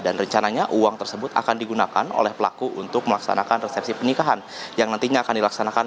dan rencananya uang tersebut akan digunakan oleh pelaku untuk melaksanakan resepsi penikahan yang nantinya akan dilaksanakan